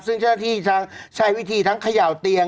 ซึ่งเจ้าหน้าที่ทั้งใช้วิธีทั้งเขย่าเตียง